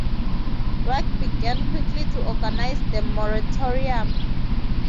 Work began quickly to organize the Moratorium.